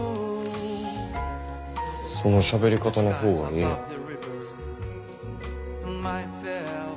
そのしゃべり方の方がええやん。